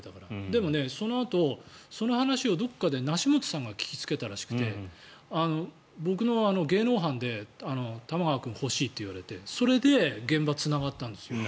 でも、そのあとその話をどこかで梨本さんが聞きつけたらしくて僕の芸能班で玉川君ほしいって言われてそれで現場、つながったんですよ。